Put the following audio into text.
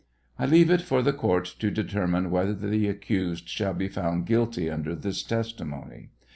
I leave it for the court to determine whether the accused shall be found guilti under this testimony.